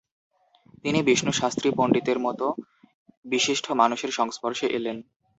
তিনি বিষ্ণু শাস্ত্রী পন্ডিতের মতো বিশিষ্ট মানুষের সংস্পর্শে এলেন।